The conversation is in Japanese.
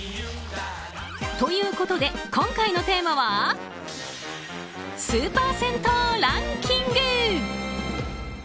ということで、今回のテーマはスーパー銭湯ランキング。